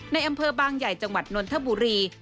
ในอำเภอบางใหญ่จังหวัดนนทบุรี